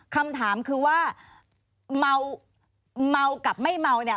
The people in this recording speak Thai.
คำถามคือว่าเมาเมากับไม่เมาเนี่ย